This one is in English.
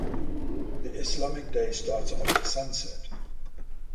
The Islamic day starts after sunset.